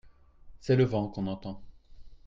C'est le vent qu'on entend.